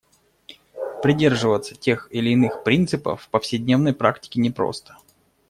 Придерживаться тех или иных принципов в повседневной практике непросто.